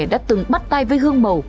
đã từng bắt tay với hương mầu